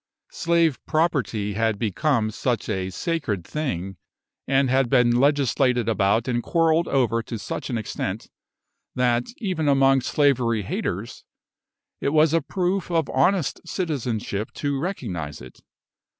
Slave property had become such a sacred thing, and had been legislated about and quarrelled over to such an extent, that, even among slavery haters, it was a proof of honest citizenship to recognise it.